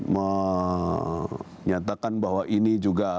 menyatakan bahwa ini juga